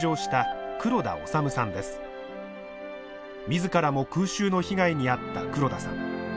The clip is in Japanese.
自らも空襲の被害に遭った黒田さん。